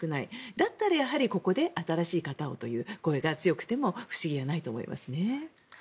だったらやはりここで新しい方をという声が強くても不思議ではないと思います。